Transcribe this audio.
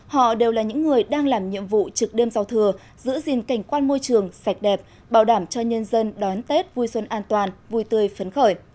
họ đều là những người đang làm nhiệm vụ trực đêm giao thừa giữ gìn cảnh quan môi trường sạch đẹp bảo đảm cho nhân dân đón tết vui xuân an toàn vui tươi phấn khởi